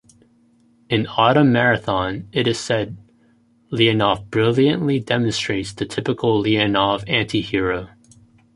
In "Autumn Marathon", it is said, Leonov brilliantly demonstrates the typical Leonov anti-hero.